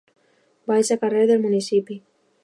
Vaig al carrer del Municipi.